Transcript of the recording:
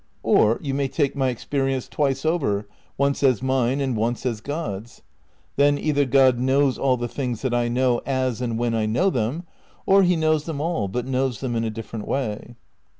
Or you may take my experience twice over, once as mine and once as God's. Then either God knows all the things that I know as and when I know them ; or he knows them all, but knows them in a different way.